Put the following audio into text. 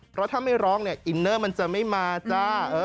เพราะถ้าไม่ร้องเนี่ยอินเนอร์มันจะไม่มาจ้า